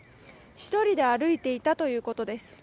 １人で歩いていたということです。